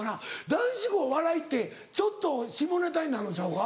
男子校笑いってちょっと下ネタになるんちゃうか？